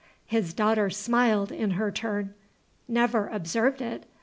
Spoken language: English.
His daughter smiled in her turn. "Never observed it?